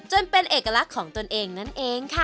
เป็นเอกลักษณ์ของตนเองนั่นเองค่ะ